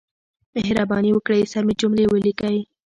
مهرباني وکړئ، سمې جملې وليکئ!